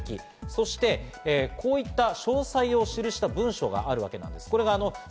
そしてこういった詳細を記した文書があるわけなんです。